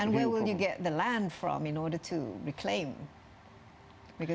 dan dari mana uang yang akan datang untuk dikembangkan